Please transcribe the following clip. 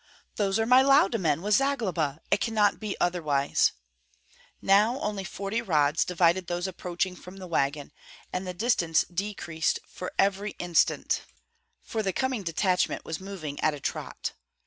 "Those are my Lauda men with Zagloba! It cannot be otherwise!" Now only forty rods divided those approaching from the wagon, and the distance decreased every instant, for the coming detachment was moving at a trot.